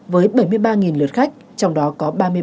với bảy mươi ba lượt khách trong đó có